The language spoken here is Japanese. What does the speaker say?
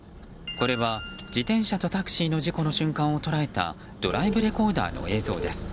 これは、自転車とタクシーの事故の瞬間を捉えたドライブレコーダーの映像です。